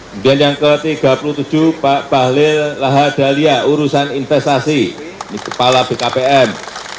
kemudian yang ke tiga puluh tujuh pak bahlil lahadalia urusan investasi kepala bkpm